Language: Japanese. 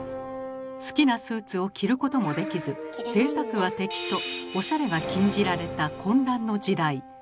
好きなスーツを着ることもできず「ぜいたくは敵」とオシャレが禁じられた混乱の時代。